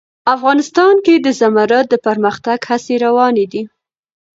افغانستان کې د زمرد د پرمختګ هڅې روانې دي.